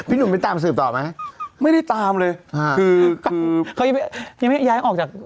พี่หนุ่มไปตามดูต่อมาไม่ได้ตามเลยเขายังไม่ย้ายออกจาก